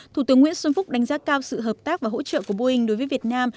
thủ tướng nguyễn xuân phúc đánh giá cao sự hợp tác và hỗ trợ của boeing đối với việt nam